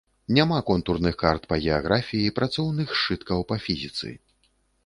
Няма контурных карт па геаграфіі, працоўных сшыткаў па фізіцы.